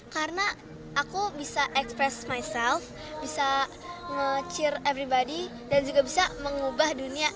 karena aku bisa express myself bisa nge cheer everybody dan juga bisa mengubah dunia